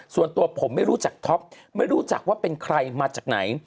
ส่วนตัวผมไม่รู้จักท็อปไม่รู้จักว่าเป็นใครมาจากไหน